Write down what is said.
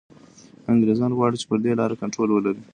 انګریزان غواړي چي پر دې لاره کنټرول ولري.